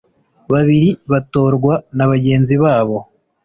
babiri batorwa na bagenzi babo